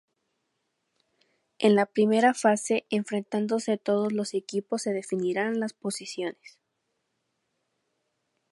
En la primera fase enfrentándose todos los equipos se definirán las posiciones.